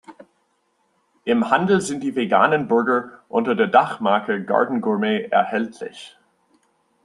Im Handel sind die veganen Burger unter der Dachmarke "Garden Gourmet" erhältlich.